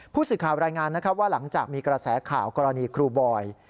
ผู้สื่อข่าวรายงานนะครับว่าหลังจากมีกระแสข่าวกรณีครูบอย